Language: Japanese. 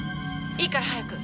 いいから早く。